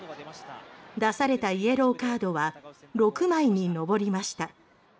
出されたイエローカードは６枚に上りました。